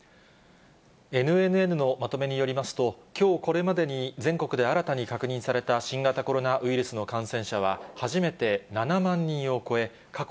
ＮＮＮのまとめによりますと、きょうこれまでに全国で新たに確認された新型コロナウイルスの感